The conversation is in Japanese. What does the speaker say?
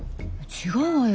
違うわよ